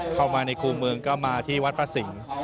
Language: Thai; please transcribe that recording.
เข้ามาในคู่เมืองก็มาที่วัดพระสิงศ์